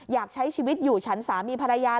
อยากใช้ชีวิตอยู่ฉันสามีภรรยา